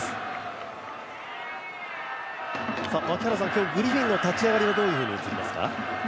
今日グリフィンの立ち上がりはどう映りますか？